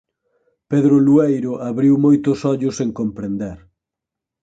Pedro Lueiro abriu moito os ollos sen comprender